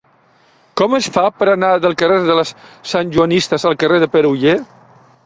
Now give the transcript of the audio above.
Com es fa per anar del carrer de les Santjoanistes al carrer de Pere Oller?